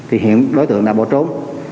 hiện đối tượng đã bỏ trốn